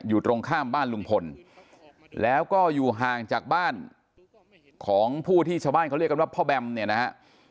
อยู่ตรงข้ามบ้านลุงพลแล้วก็อยู่ห่างจากบ้านของผู้ที่ชาวบ้านเขาเรียกกันว่าพ่อแบมเนี่ยนะฮะ